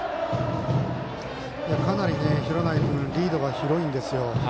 かなり廣内君リードが広いんですよ。